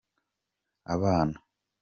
abana.